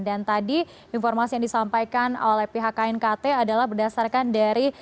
dan tadi informasi yang disampaikan oleh pihak knkt adalah berdasarkan dari